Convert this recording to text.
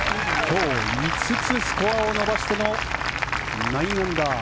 今日５つスコアを伸ばしての９アンダー。